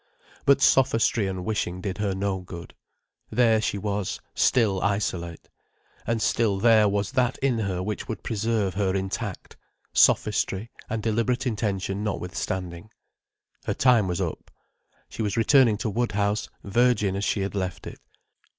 But sophistry and wishing did her no good. There she was, still isolate. And still there was that in her which would preserve her intact, sophistry and deliberate intention notwithstanding. Her time was up. She was returning to Woodhouse virgin as she had left it.